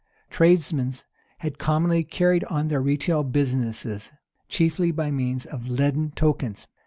[v] Tradesmen had commonly carried on their retail business chiefly by means of leaden tokens.